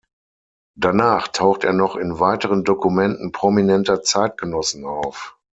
Danach taucht er noch in weiteren Dokumenten prominenter Zeitgenossen auf.